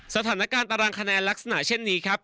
สถานการณ์ตารางคะแนนลักษณะเช่นนี้ครับ